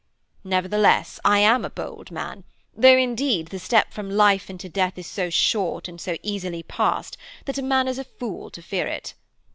Nevertheless I am a bold man, though indeed the step from life into death is so short and so easily passed that a man is a fool to fear it.